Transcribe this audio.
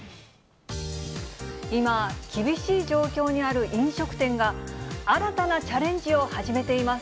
今、厳しい状況にある飲食店が、新たなチャレンジを始めています。